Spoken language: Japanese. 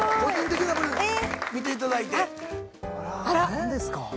何ですか？